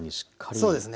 そうですね。